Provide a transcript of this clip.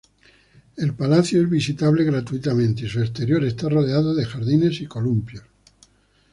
El palacio es visitable gratuitamente y su exterior está rodeado de jardines y columpios.